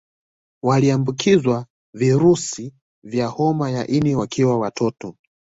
Waliombukizwa virusi vya homa ya ini wakiwa watoto